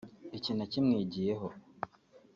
iki nakimwigiyeho